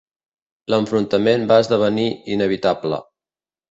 L'enfrontament va esdevenir inevitable.